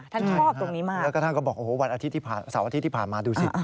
ท่านชอบตรงนี้มากแล้วก็ท่านก็บอกโอ้โหวันอาทิตย์เสาร์อาทิตย์ที่ผ่านมาดูสิ